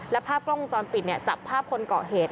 และภาพกล้องวงจรปิดจับภาพคนเกาะเหตุ